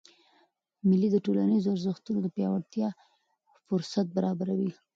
مېلې د ټولنیزو ارزښتونو د پیاوړتیا فُرصت برابروي.